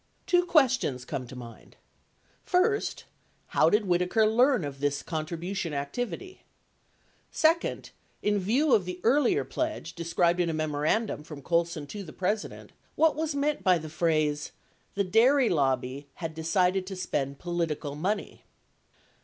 86 Two questions come to mind: First, how did Whitaker learn of their contribution activity ? Second, in view of the earlier pledge, described in a memorandum from Colson to the President, what was meant by the phrase "the dairy lobby ... had decided to spend politi cal money"?